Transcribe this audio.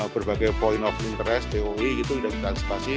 berbagai point of interest doi itu sudah kita atasipasi